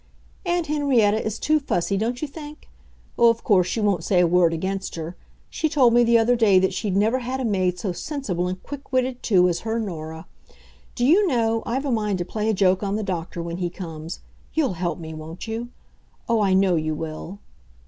"Aunt Henrietta is too fussy, don't you think? Oh, of course, you won't say a word against her. She told me the other day that she'd never had a maid so sensible and quick witted, too, as her Nora. Do you know, I've a mind to play a joke on the doctor when he comes. You'll help me, won't you? Oh, I know you will!"